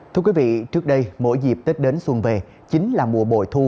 thưa quý vị trước đây mỗi dịp tết đến xuân về chính là mùa bội thu